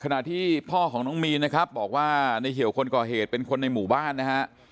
ที่พ่อของน้องมีนนะครับบอกว่าในเหี่ยวคนก่อเหตุเป็นคนในหมู่บ้านนะฮะ